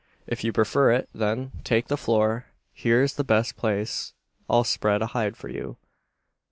"If you prefer it, then, take the floor. Here's the best place. I'll spread a hide for you."